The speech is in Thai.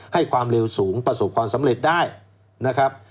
ให้ความเร็วสูงประสบความสำเร็จได้นะครับ